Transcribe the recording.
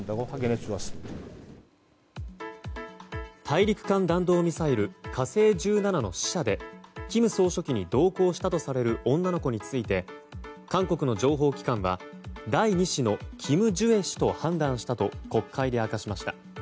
大陸間弾道ミサイル「火星１７」の試射で金総書記に同行したとされる女の子について韓国の情報機関は第２子のキム・ジュエ氏と判断したと国会で明かしました。